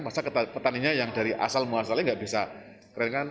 masa petaninya yang dari asal muasalnya nggak bisa kerenkan